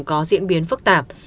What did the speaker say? có diễn biến phức tạp